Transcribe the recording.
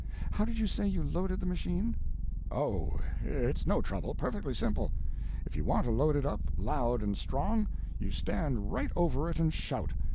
How did you say you loaded the machine?" "O, it's no trouble—perfectly simple. If you want to load it up loud and strong, you stand right over it and shout.